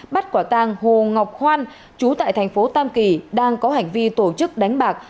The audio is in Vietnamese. bắt quả tang hồ ngọc hoan chú tại thành phố tam kỳ đang có hành vi tổ chức đánh bạc